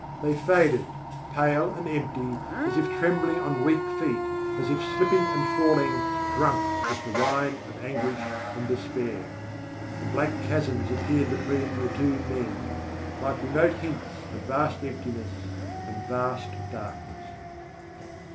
They faded, pale and empty, as if trembling on weak feet, as if slipping and falling, drunk with the wine of anguish and despair. And black chasms appeared between the two men like remote hints of vast emptiness and vast darkness.